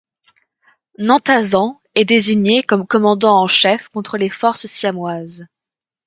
Nanthasen est désigné comme commandant en chef contre les forces siamoises.